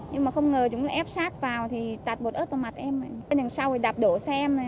nhưng mà không ngờ chúng ép xác vào thì tạt bột ớt vào mặt em tên đằng sau thì đạp đổ xe em